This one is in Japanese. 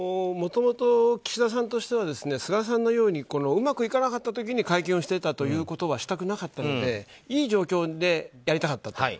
もともと岸田さんとしては菅さんのようにうまくいかなかった時に会見をしていたということはしたくなかったのでいい状況でやりたかったと。